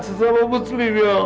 sesama muslim ya allah